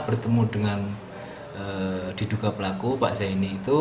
bertemu dengan diduga pelaku pak zaini itu